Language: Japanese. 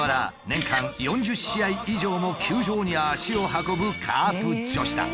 年間４０試合以上も球場に足を運ぶカープ女子だ。